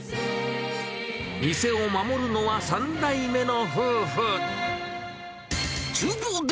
店を守るのは３代目の夫婦。